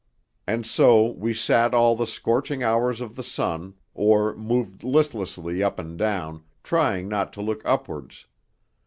And so we sat all the scorching hours of the sun, or moved listlessly up and down, trying not to look upwards....